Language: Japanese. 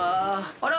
あら？